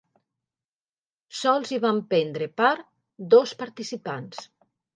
Sols hi van prendre part dos participants.